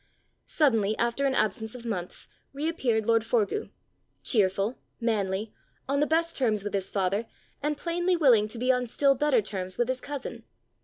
Suddenly, after an absence of months, reappeared lord Forgue cheerful, manly, on the best terms with his father, and plainly willing to be on still better terms with his cousin!